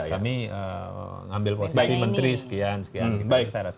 kami ngambil posisi menteri sekian sekian